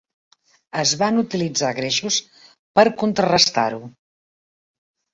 Es van utilitzar greixos per contrarestar-ho.